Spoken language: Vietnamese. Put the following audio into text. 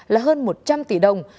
là hơn một trăm linh tỷ đồng